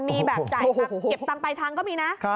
มีแบบจ่ายสังคมเก็บตังค์ไปทั้งก็มีนะ